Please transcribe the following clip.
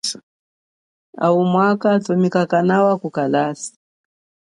Au mwa kanthumika kanawa kukalasa.